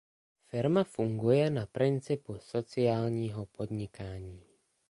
Firma funguje na principu sociálního podnikání.